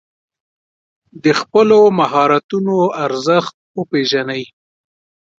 د خپلو مهارتونو ارزښت وپېژنئ.